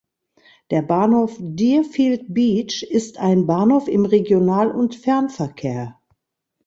Der Bahnhof Deerfield Beach ist ein Bahnhof im Regional- und Fernverkehr.